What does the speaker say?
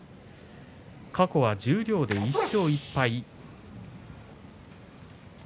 過去は、十両で１勝１敗。